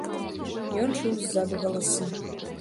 Ён чуў ззаду галасы.